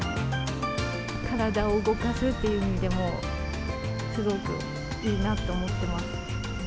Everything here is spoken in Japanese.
体を動かすという意味でも、すごくいいなって思ってます。